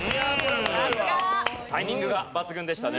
さすが！タイミングが抜群でしたね。